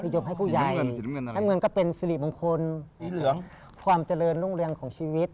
ยกให้ผู้ใหญ่ให้เงินก็เป็นสิริมงคลความเจริญรุ่งเรืองของชีวิต